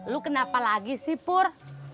lu kenapa lagi sih pur